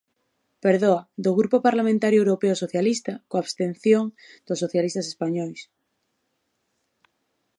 Perdoa, do Grupo Parlamentario Europeo Socialista, coa abstención dos socialistas españois.